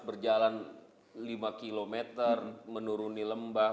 berjalan lima km menuruni lembah